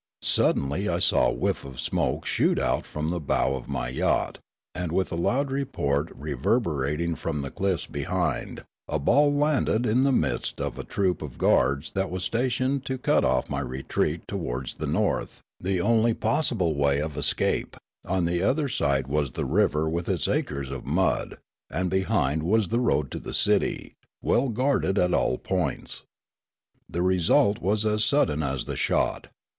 Suddenly I saw a whiff" of smoke shoot out from the bow of my yacht, and with a loud report reverberating from the chff"s behind, a ball landed in the midst of a troop of guards that was stationed to cut off my retreat towards the north, the only possible way of escape ; on the other side was the river with its acres of mud, and behind was the road to the city, well guarded at all points. The result was as sudden as the shot.